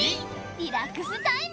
リラックスタイム。